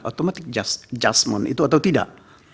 automatic adjustment itu atau tidak